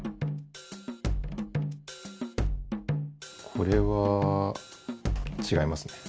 これはちがいますね。